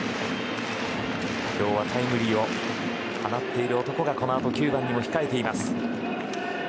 今日タイムリーを放っている男がこのあと９番にも控えています。